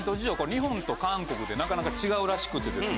日本と韓国でなかなか違うらしくてですね。